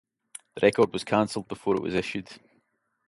The record was cancelled before it was issued.